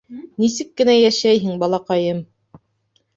— Нисек кенә йәшәйһең, балаҡайым?